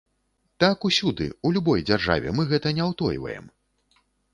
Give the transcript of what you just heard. Так усюды, у любой дзяржаве, мы гэта не ўтойваем.